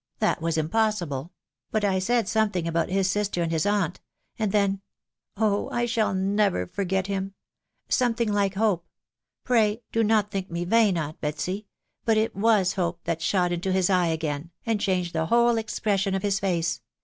. that was impos sible !.... but I said something about his sister and his aunt ; and then •,.. oh ! I shall never forget him !,... something like hope .... pray, do not think me vain, aunt Betsy, — but it was hope that shot into his eye again, and changed the whole expression of his face